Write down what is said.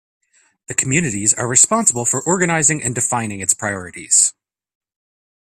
The communities are responsible for organizing and defining its priorities.